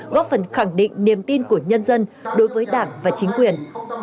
góp phần khẳng định niềm tin của nhân dân đối với đảng và chính quyền